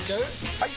・はい！